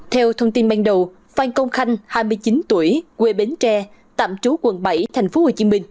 theo thông tin ban đầu phan công khanh hai mươi chín tuổi quê bến tre tạm trú quận bảy tp hcm